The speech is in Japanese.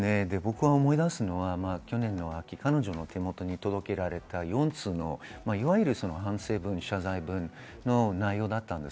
思い出すのは去年の秋、彼女の手元に届けられた４通の反省文、謝罪文の内容だったんです。